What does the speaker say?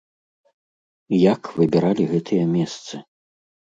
Як выбіралі гэтыя месцы?